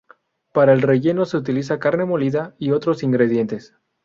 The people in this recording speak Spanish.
Para el relleno se utiliza carne molida, y otros ingredientes.